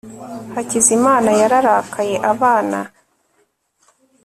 hakizimana yarakariye abana